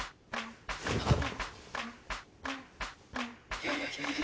いやいやいやいや。